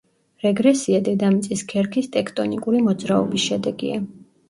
რეგრესია დედამიწის ქერქის ტექტონიკური მოძრაობის შედეგია.